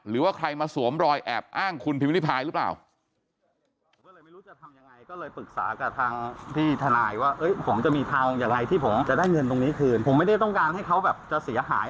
หรือว่าใครมาสวมรอยแอบอ้างคุณพิมพิริพายหรือเปล่า